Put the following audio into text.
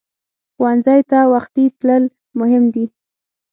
ښوونځی ته وختي تلل مهم دي